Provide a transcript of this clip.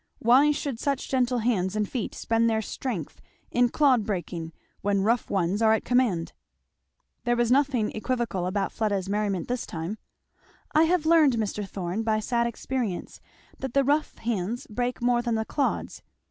Why should such gentle hands and feet spend their strength in clod breaking, when rough ones are at command?" There was nothing equivocal about Fleda's merriment this time. "I have learned, Mr. Thorn, by sad experience, that the rough hands break more than the clods.